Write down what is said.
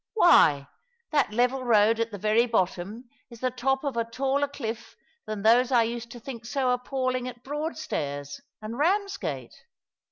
Why, that level road at the very bottom is the top of a taller cliff than those I used to think so appalling at Broadstairs and Bamsgate